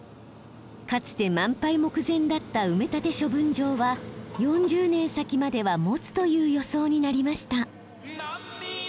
かつて満杯目前だった埋め立て処分場は４０年先まではもつという予想になりました。